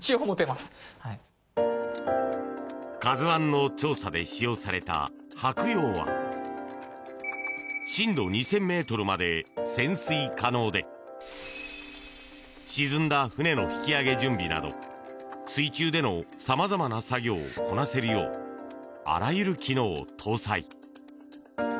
「ＫＡＺＵ１」の調査で使用された「はくよう」は深度２０００ｍまで潜水可能で沈んだ船の引き揚げ準備など水中でのさまざまな作業をこなせるようあらゆる機能を搭載。